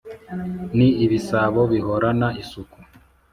ni ibisabo bihorana isuku !